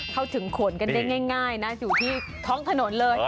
เข้าถึงขนกันได้ง่ายนะอยู่ที่ท้องถนนเลย